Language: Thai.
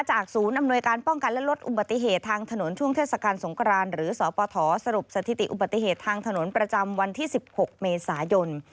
ศูนย์อำนวยการป้องกันและลดอุบัติเหตุทางถนนช่วงเทศกาลสงครานหรือสปฐสรุปสถิติอุบัติเหตุทางถนนประจำวันที่๑๖เมษายน